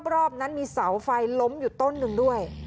รอบนั้นมีเสาไฟล้มอยู่ต้นหนึ่งด้วย